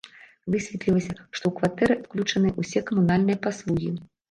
Высветлілася, што ў кватэры адключаныя ўсе камунальныя паслугі.